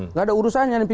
nggak ada urusannya